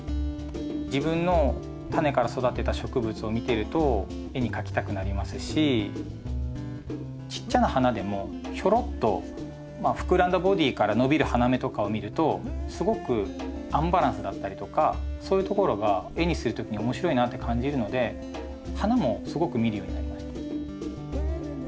自分のタネから育てた植物を見てると絵に描きたくなりますしちっちゃな花でもひょろっとまあ膨らんだボディーから伸びる花芽とかを見るとすごくアンバランスだったりとかそういうところが絵にする時に面白いなって感じるので花もすごく見るようになりました。